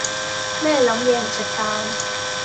咩諗野唔食飯